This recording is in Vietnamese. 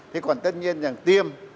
thế còn tất nhiên là tiêm